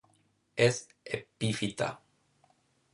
Es epífita.